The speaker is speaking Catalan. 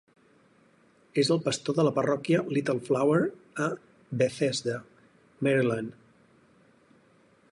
És el pastor de la parròquia Little Flower a Bethesda, Maryland.